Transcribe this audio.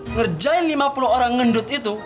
ngerjain lima puluh orang ngendut itu